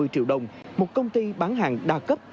năm mươi triệu đồng một công ty bán hàng đa cấp